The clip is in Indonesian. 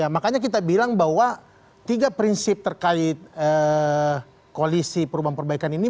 makanya kita bilang bahwa tiga prinsip terkait koalisi perubahan perbaikan ini